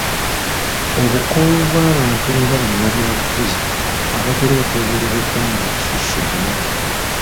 Obukoowu bw'abantu nga bannabyabufuzi abatera okwogerera ebbanga erisusse obunene.